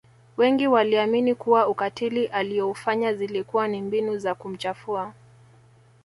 wengi waliamini kuwa ukatili aliyoufanya zilikuwa ni mbinu za kumchafua